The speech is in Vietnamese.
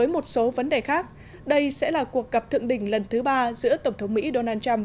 một số vấn đề khác đây sẽ là cuộc gặp thượng đỉnh lần thứ ba giữa tổng thống mỹ donald trump